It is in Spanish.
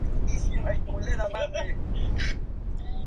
La academia actual tiene su sede en Cambridge, Massachusetts.